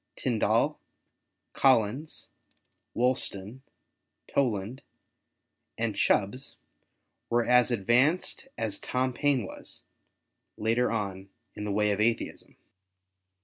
Tindal, Collins, Wolston, Toland, and Chubbs were as advanced as Tom Payne was, later on, in the way of Atheism.